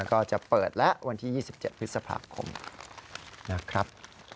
ก็จะเปิดแล้ววันที่๒๗พฤษภาคมนะครับ